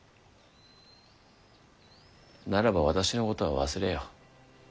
ならば私のことは忘れよ。